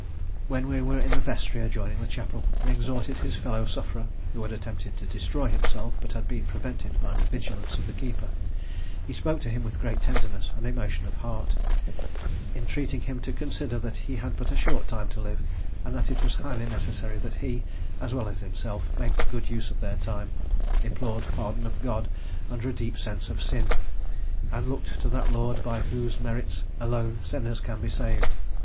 When we were in the Vestry adjoining the Chapel, he exhorted his fellow sufferer, who had attempted to destroy himself, but had been prevented by the vigilance of the keeper. He spoke to him with great tenderness and emotion of heart, entreating him to consider that he had but a short time to live, and that it was highly necessary that he, as well as himself, made good use of their time, implored pardon of God under a deep sense of sin, and looked to that Lord by whose merits alone sinners can be saved.